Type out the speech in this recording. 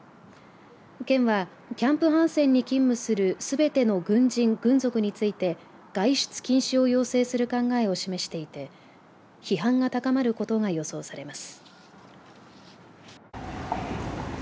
県はキャンプハンセンに勤務するすべての軍人、軍属について外出禁止を要請する考えを示していて批判が高まることが予想されます。